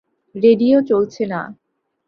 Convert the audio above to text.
Radio চলছে না।